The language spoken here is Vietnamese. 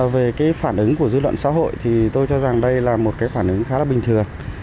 về phản ứng của dư luận xã hội tôi cho rằng đây là một phản ứng khá là bình thường